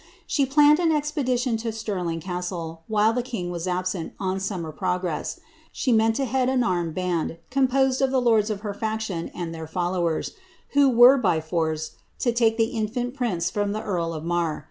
She planned an expedition to Scirliog Castle, while the king was absent on summer progress : she meant to head an armed band, composed of the lords of her faction and their followers, who were, by force, to take the infant prince from the earl of Marr.